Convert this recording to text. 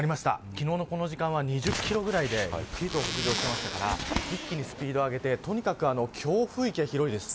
昨日のこの時間は２０キロくらいでゆっくりと北上していましたから一気にスピードを上げてとにかく強風域が広いです。